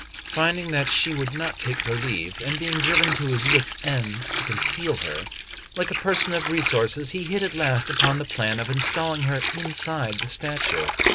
Finding that she would not take her leave, and being driven to his wits' ends to conceal her, like a person of resources, he hit at last upon the plan of installing her inside the statue.